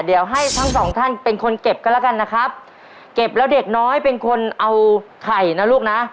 เดี๋ยวให้ทั้งสองท่านเป็นคนเก็บกันแล้วกันนะครับเก็บแล้วเด็กน้อยเป็นคนเอาไข่นะลูกนะ